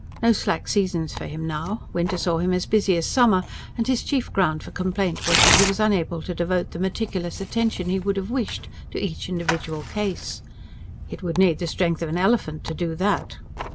No slack seasons for him now; winter saw him as busy as summer; and his chief ground for complaint was that he was unable to devote the meticulous attention he would have wished to each individual case. "It would need the strength of an elephant to do that."